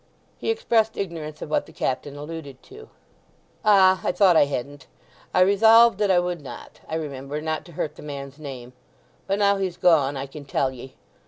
He expressed ignorance of what the Captain alluded to. "Ah, I thought I hadn't. I resolved that I would not, I remember, not to hurt the man's name. But now he's gone I can tell ye.